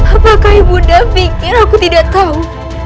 apakah ibu nda pikir aku tidak tahu